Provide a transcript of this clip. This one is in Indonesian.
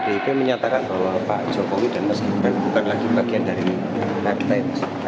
pdip menyatakan bahwa pak jokowi dan mas gibran bukan lagi bagian dari netize